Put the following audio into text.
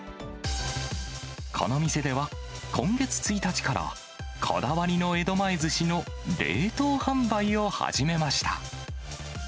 この店では今月１日から、こだわりの江戸前ずしの冷凍販売を始めました。